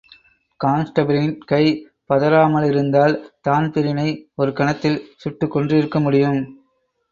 கான்ஸ்டபிளின் கை பதறாமலிருந்திருந்தால் தான்பிரீனை ஒரு கணத்தில் சுட்டுக் கொன்றிருக்க முடியும்.